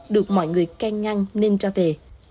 được mọi người can ngăn nên ra về